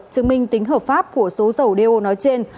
chứng minh tính hợp pháp của số dầu đeo nói trên